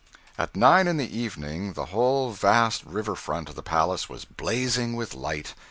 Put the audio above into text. At nine in the evening the whole vast river front of the palace was blazing with light.